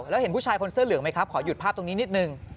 แล้วเห็นผู้ชายคนเสื้อเหลืองไหมครับขอหยุดภาพตรงนี้นิดนึง